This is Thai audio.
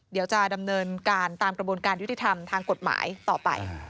เดี๋ยวจะดำเนินการตามกระบวนการยุติธรรมทางกฎหมายต่อไป